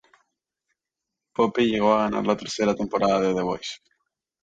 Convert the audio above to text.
Pope llegó a ganar la tercera temporada de The Voice.